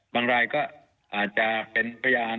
รายก็อาจจะเป็นพยาน